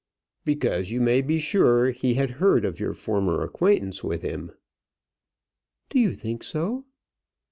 "Because you may be sure he had heard of your former acquaintance with him." "Do you think so?"